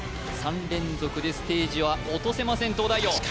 ３連続でステージは落とせません東大王